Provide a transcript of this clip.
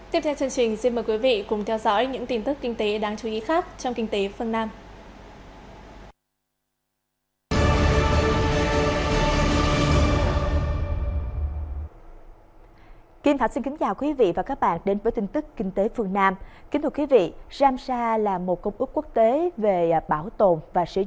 tiếp theo chương trình xin mời quý vị cùng theo dõi